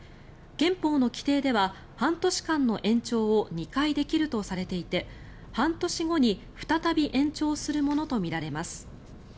憲法の規定では、半年間の延長を２回できるとされていて半年後に再び延長するものとみられます。